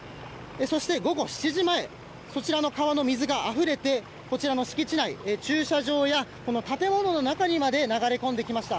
そして午後７時前そちらの川の水があふれてこちらの敷地内駐車場や建物の中にまで流れ込んできました。